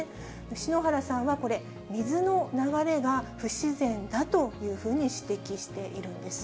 篠原さんはこれ、水の流れが不自然だというふうに指摘しているんです。